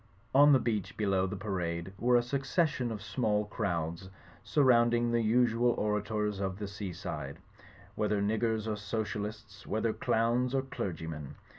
On the beach below the parade were a succession of small crowds, surrounding the usual orators of the seaside; whether niggers or socialists, whether clowns or clerg3rmen.